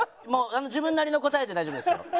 自分なりの答えで大丈夫ですよ。